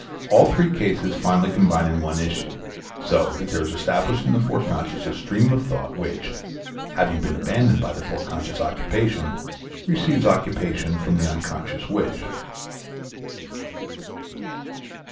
All three cases finally combine in one issue, so that there is established in the foreconscious a stream of thought which, having been abandoned by the foreconscious occupation, receives occupation from the unconscious wish.